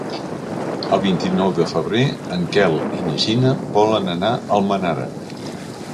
El vint-i-nou de febrer en Quel i na Gina volen anar a Almenara.